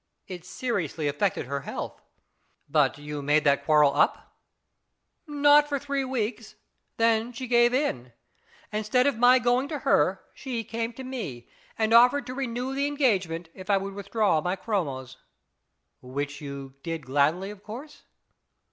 It seriously affected her health." " But you made that quarrel up ?" "Not for three weeks. Then she gave in. Instead of my going to her, she came to me and offered to renew the engagement if I would withdraw my chromos." " Which you did gladly, of course